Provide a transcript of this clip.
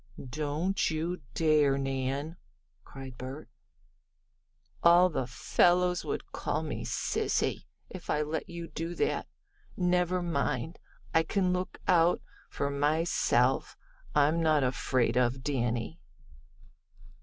"Don't you dare, Nan!" cried Bert. "All the fellows would call me 'sissy,' if I let you do that. Never mind, I can look out for my self. I'm not afraid of Danny."